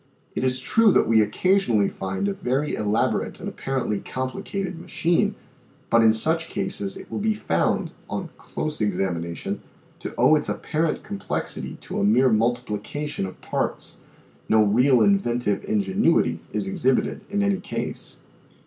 It is true that we occasionally find a very elaborate and apparently complicated machine, but in such cases it will be found, on close examination, to owe its apparent complexity to a mere multiplication of parts ; no real inventive ingen uity is exhibited in any case.